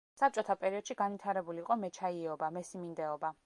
საბჭოთა პერიოდში განვითარებული იყო მეჩაიეობა, მესიმინდეობა.